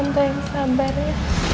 tante yang sabar ya